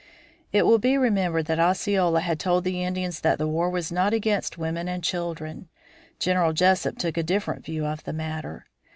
It will be remembered that Osceola had told the Indians that the war was not against women and children. General Jesup took a different view of the matter.